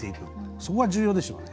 そこが重要でしょうね。